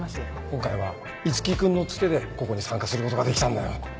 今回はいつき君のツテでここに参加することができたんだよ。